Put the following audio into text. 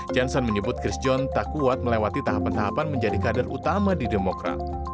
janson menyebut chris john tak kuat melewati tahapan tahapan menjadi kader utama di demokrat